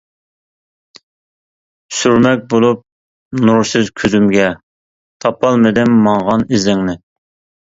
سۈرمەك بولۇپ نۇرسىز كۆزۈمگە، تاپالمىدىم ماڭغان ئىزىڭنى.